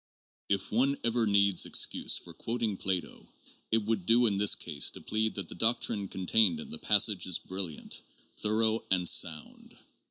IP one ever needs excuse for quoting Plato, it would do in this case to plead that the doctrine contained in the passage is brilliant, thorough, and sound.